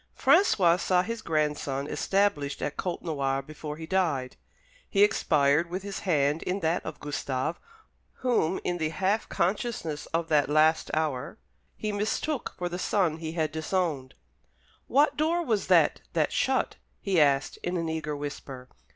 François saw his grandson established at Côtenoir before he died. He expired with his hand in that of Gustave, whom, in the half consciousness of that last hour, he mistook for the son he had disowned. "What door was that that shut?" he asked, in an eager whisper.